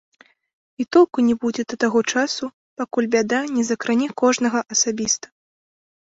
І толку не будзе да таго часу, пакуль бяда не закране кожнага асабіста.